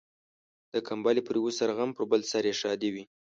د کمبلي پر يوه سر غم ، پر بل سر يې ښادي وي.